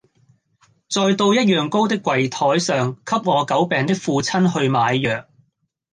再到一樣高的櫃臺上給我久病的父親去買藥。